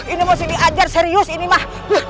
ini mesti diajar serius ini mah